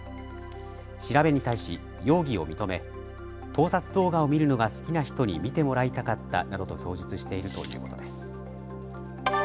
調べに対し容疑を認め盗撮動画を見るのが好きな人に見てもらいたかったなどと供述しているということです。